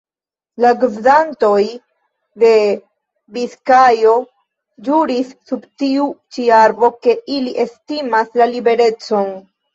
La gvidantoj de Biskajo ĵuris sub tiu ĉi arbo, ke ili estimas la liberecon.